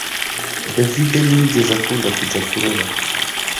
David ntiyigeze akunda kujya kuroba